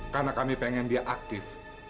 karena kami pengen dia aktif